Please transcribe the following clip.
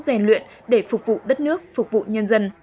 rèn luyện để phục vụ đất nước phục vụ nhân dân